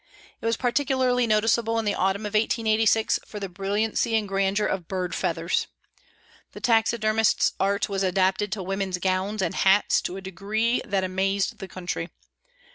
It was particularly noticeable in the autumn of 1886 for the brilliancy and grandeur of bird feathers. The taxidermist's art was adapted to women's gowns and hats to a degree that amazed the country.